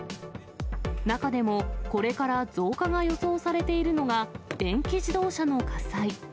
中でもこれから増加が予想されているのが、電気自動車の火災。